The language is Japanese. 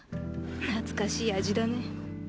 懐かしい味だね。